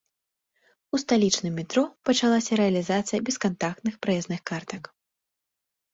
У сталічным метро пачалася рэалізацыя бескантактных праязных картак.